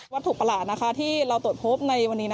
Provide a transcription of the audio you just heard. ถูกประหลาดที่เราตรวจพบในวันนี้